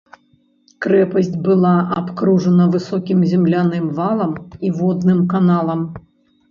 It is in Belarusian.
Крэпасць была абкружана высокім земляным валам і водным каналам.